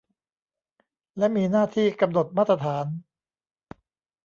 และมีหน้าที่กำหนดมาตรฐาน